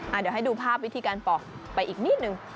เดี๋ยวให้ดูภาพวิธีการปอกไปอีกนิดนึง